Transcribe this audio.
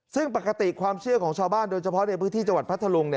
ซึ่งปกติความเชื่อของชาวบ้านโดยเฉพาะในพื้นที่จังหวัดพัทธลุง